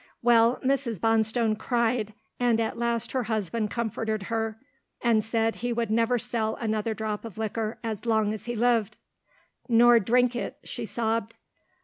Well, Mrs. Bonstone cried, and at last her husband comforted her, and said he would never sell another drop of liquor as long as he lived. "Nor drink it," she sobbed.